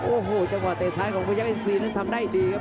โอ้โหจังหวะเตะซ้ายของพยักษเอ็นซีนั้นทำได้ดีครับ